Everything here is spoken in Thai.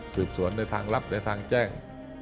สืบสวนในทางลับในทางแจ้ง